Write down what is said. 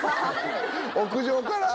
屋上から？